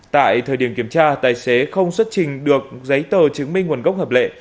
tại thời điểm kiểm tra tài xế không xuất trình được giấy tờ chứng minh nguồn gốc hợp lệ